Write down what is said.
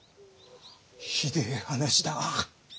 ひでえ話だ！